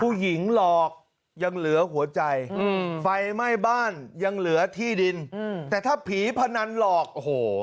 หลอกยังเหลือหัวใจไฟไหม้บ้านยังเหลือที่ดินแต่ถ้าผีพนันหลอกโอ้โห